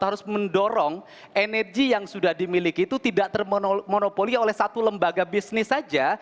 harus mendorong energi yang sudah dimiliki itu tidak termonopoli oleh satu lembaga bisnis saja